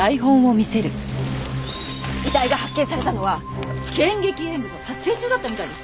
遺体が発見されたのは『剣戟炎武』の撮影中だったみたいですよ。